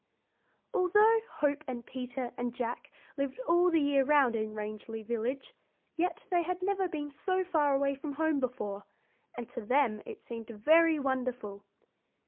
] Although Hope and Peter and Jack lived all the year around in Rangeley Village, yet they had never been so far away from home before, and to them it seemed very wonderful.